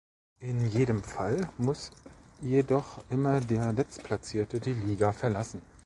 In jedem Fall muss jedoch immer der Letztplatzierte die Liga verlassen.